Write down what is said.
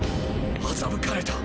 欺かれた！